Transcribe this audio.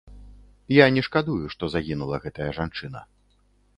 Я не шкадую, што загінула гэтая жанчына.